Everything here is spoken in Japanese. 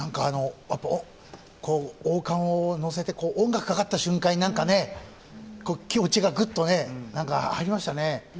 王冠をのせて音楽がかかった瞬間に何か、気持ちがぐっと入りましたね。